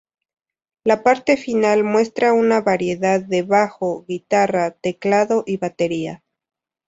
La parte final muestra una variedad de bajo, guitarra, teclado y batería.